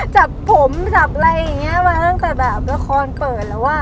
จับผมจับอะไรอย่างนี้มาตั้งแต่แบบละครเปิดแล้วอ่ะ